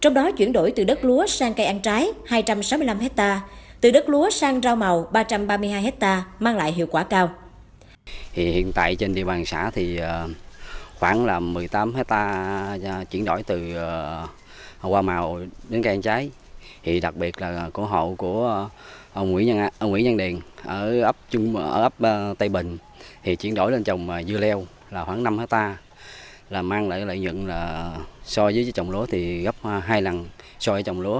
trong đó chuyển đổi từ đất lúa sang cây ăn trái hai trăm sáu mươi năm hectare từ đất lúa sang rau màu ba trăm ba mươi hai hectare mang lại hiệu quả cao